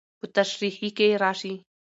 په تشريحي کې راشي.